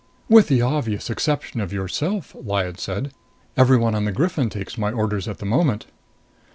"With the obvious exception of yourself," Lyad said, "everyone on the Griffin takes my orders at the moment."